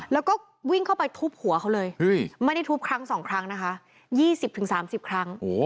แล้วก็วิ่งเข้าไปทุบหัวเขาเลยไม่ได้ทุบครั้ง๒ครั้งนะคะ๒๐๓๐ครั้ง